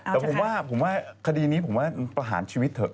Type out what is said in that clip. แต่ผมว่าผมว่าคดีนี้ผมว่าประหารชีวิตเถอะ